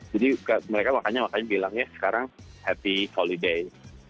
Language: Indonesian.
jadi mereka makanya bilang ya sekarang happy holiday